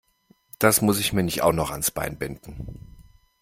Das muss ich mir nicht auch noch ans Bein binden.